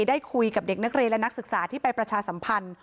ได้คุยกับเด็กนักเรียนและนักศึกษาที่ไปประชาสัมพันธ์